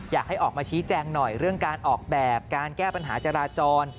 อยากให้ออกมาชี้แจงหน่อยเรื่องการออกแบบการแก้ปัญหาจราจร